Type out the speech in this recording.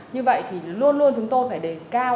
như vậy thì luôn luôn chúng tôi phải đề cao